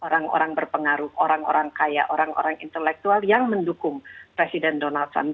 orang orang berpengaruh orang orang kaya orang orang intelektual yang mendukung presiden donald trump